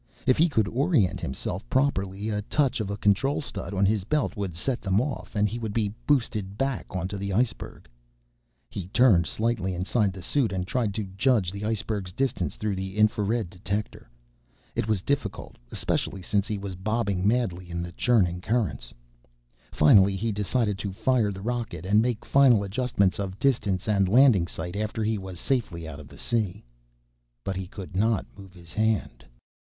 If he could orient himself properly, a touch of a control stud on his belt would set them off, and he would be boosted back onto the iceberg. He turned slightly inside the suit and tried to judge the iceberg's distance through the infrared detector. It was difficult, especially since he was bobbing madly in the churning currents. Finally he decided to fire the rocket and make final adjustments of distance and landing site after he was safely out of the sea. But he could not move his hand.